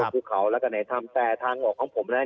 รู๊บเขาและในถ้ำแชร์ทางค้อของผมนะครับ